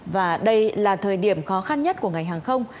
và đây là thời điểm khó khăn nhất của ngành hàng không